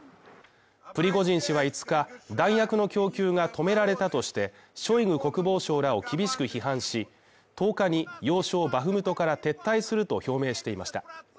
プリゴジン氏は５日、弾薬の供給が止められたとして、ショイグ国防相らを厳しく批判し、１０日に要衝バフムトから撤退すると表明していました。